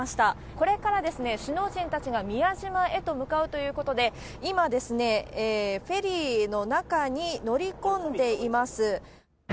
これからですね、首脳陣たちが宮島へと向かうということで、今、フェリーの中に乗り込んでいます。